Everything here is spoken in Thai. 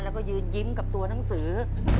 แล้วก็ยืนยิ้มกับตัวหนังสือ